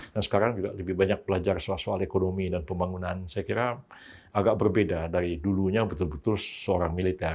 dan sekarang juga lebih banyak belajar soal soal ekonomi dan pembangunan saya kira agak berbeda dari dulunya betul betul seorang militer